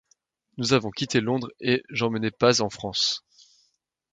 Nous avons quitté Londres, et j’emmenai Paz en France.